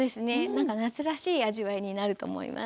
何か夏らしい味わいになると思います。